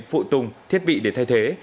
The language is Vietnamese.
phụ tùng thiết bị để thay thế